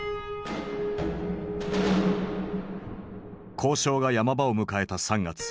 交渉が山場を迎えた３月。